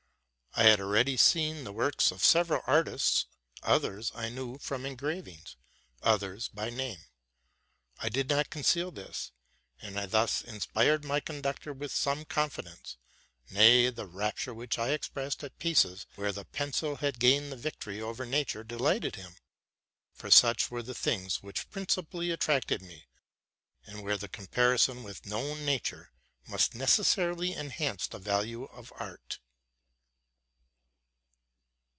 I had already seen the works of several artists, others I knew from engravings, others byname. I did not conceal this, and I thus inspired my conductor with some confidence : nay, the rapture which I expressed at pieces where the pencil had gained the victory over nature delighted him; for such were the things which principally attracted me, where the comparison with known nature must necessarily enhance the value of art.